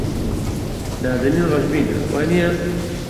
نازەنین ڕەشبینە، وانییە؟